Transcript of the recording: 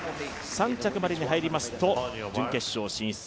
３着までに入りますと、準決勝進出。